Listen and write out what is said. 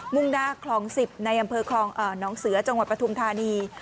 มุ่งนาคลองสิบในอำเภอคลองเอ่อน้องเสือจังหวัดประทุมธานี